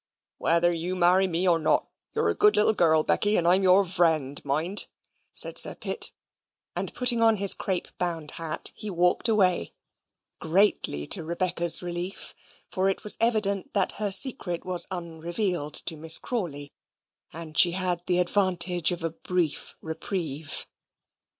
"Whether you marry me or not, you're a good little girl, Becky, and I'm your vriend, mind," said Sir Pitt, and putting on his crape bound hat, he walked away greatly to Rebecca's relief; for it was evident that her secret was unrevealed to Miss Crawley, and she had the advantage of a brief reprieve.